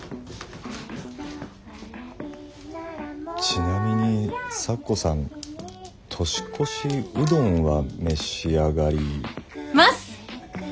ちなみに咲子さん年越しうどんは召し上がり。ます！